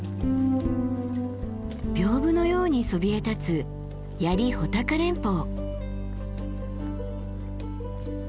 屏風のようにそびえ立つ槍・穂高連峰。